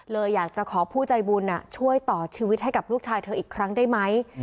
เลยอยากจะขอผู้ใจบุญช่วยต่อชีวิตให้กับลูกชายเธออีกครั้งได้ไหม